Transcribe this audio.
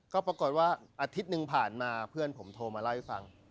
ก็ปรากฏว่าอาทิตย์หนึ่งผ่านมาเพื่อนผมโทรมาเล่าให้ฟัง